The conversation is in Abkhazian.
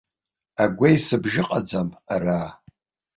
Агәеисыбжь ыҟаӡам ара.